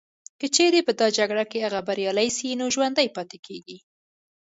که چیري په دا جګړه کي هغه بریالي سي نو ژوندي پاتیږي